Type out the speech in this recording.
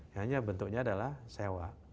hanya bentuknya adalah sewa